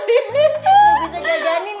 tidak bisa jagainya